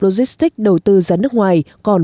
logistic đầu tư ra nước ngoài còn